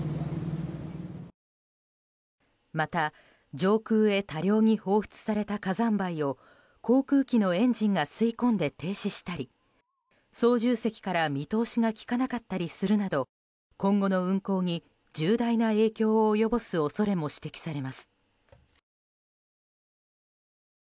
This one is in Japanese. また、上空へ多量に放出された火山灰を航空機のエンジンが吸い込んで停止したり操縦席から見通しがきかなかったりするなど今後の運航に重大な影響を及ぼす恐れも指摘されます。